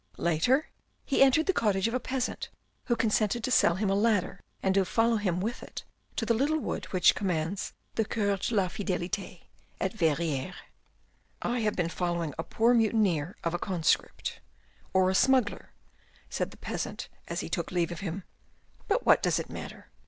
Later, he entered the cottage of a peasant, who consented to sell him a ladder and to follow him with it to the little wood which commands the Cours de la Fidelite at Verrieres. " I have been following a poor mutineer of a conscript ,.. 222 THE RED AND THE BLACK or a smuggler," said the peasant as he took leave of him, " but what does it matter